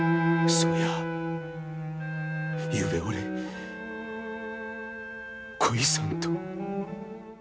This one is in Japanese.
そういや、ゆうべ俺、こいさんと。